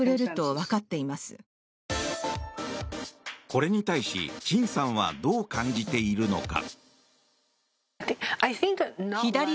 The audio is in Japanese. これに対し、チンさんはどう感じているのか。